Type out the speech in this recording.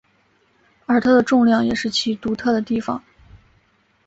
而它的重量也是其独特的地方。